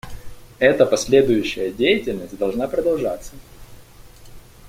Эта последующая деятельность должна продолжаться.